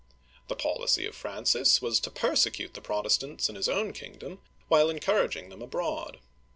The policy of Francis was to persecute the Protestants in his own kingdom, while encouraging them abroad.